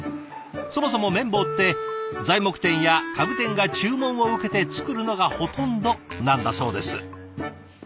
そもそも麺棒って材木店や家具店が注文を受けて作るのがほとんどなんだそうです。